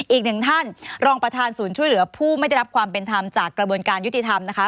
อีกหนึ่งท่านรองประธานศูนย์ช่วยเหลือผู้ไม่ได้รับความเป็นธรรมจากกระบวนการยุติธรรมนะคะ